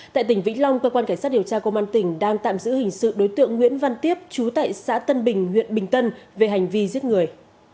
tại tỉnh vĩnh long cơ quan cảnh sát điều tra công an tỉnh đang tạm giữ hình sự đối tượng nguyễn văn tiếp chú tại xã tân bình huyện bình tân về hành vi giết người